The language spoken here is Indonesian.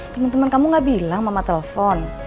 temen temen kamu gak bilang mama telepon